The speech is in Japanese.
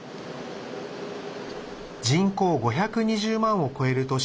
人口５２０万を超える都市